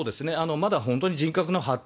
まだ本当に人格の発達